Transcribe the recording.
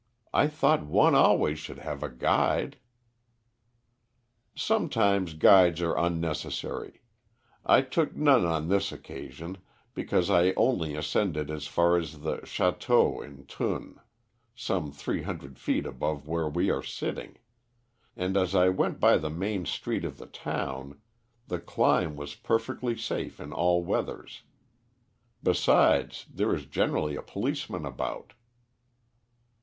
I thought one always should have a guide." "Sometimes guides are unnecessary. I took none on this occasion, because I only ascended as far as the Château in Thun, some three hundred feet above where we are sitting, and as I went by the main street of the town, the climb was perfectly safe in all weathers. Besides, there is generally a policeman about."